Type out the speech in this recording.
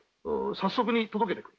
早速に届けてくれ。